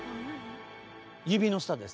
指の下です。